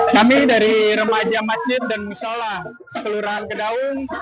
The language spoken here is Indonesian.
kami dari remaja masjid dan musola kelurahan kedaung